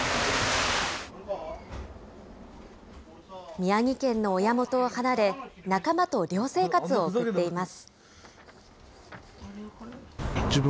宮城県の親元を離れ、仲間と寮生活を送っています。